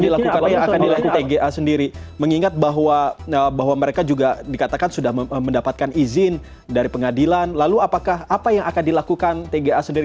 dilakukan apa yang akan dilakukan tga sendiri lalu selanjutnya apa yang akan dilakukan tga sendiri lalu selanjutnya apa yang akan dilakukan tga sendiri